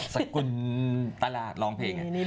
สกุลตลาดร้องเพลง